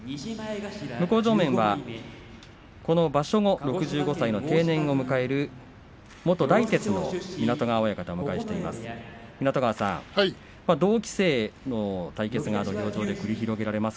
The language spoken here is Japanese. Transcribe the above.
向正面はこの場所後、６５歳の定年を迎える元大徹の湊川親方をお迎えしています。